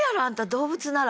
動物なら。